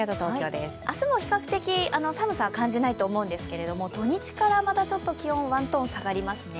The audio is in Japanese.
明日も比較的寒さは感じないと思うんですけど土日からまた気温、ワントーン下がりますね。